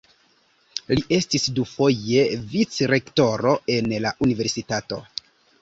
Li estis dufoje vicrektoro en la universitato.